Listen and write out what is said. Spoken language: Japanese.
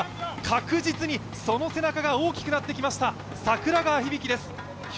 確実にその背中が大きくなってきました。